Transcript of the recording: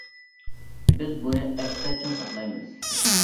بىز بۇنى ئەستە چىڭ ساقلايمىز.